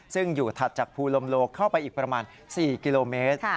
ซึ่งอยู่ถัดจากภูลมโลเข้าไปอีกประมาณ๔กิโลเมตร